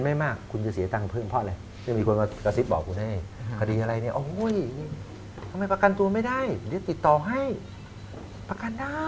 ถ้าคุณเย็นไม่มาก